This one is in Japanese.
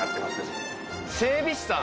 整備士さん？